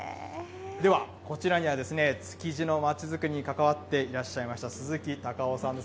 では、こちらには築地のまちづくりに関わっている鈴木孝夫さんです。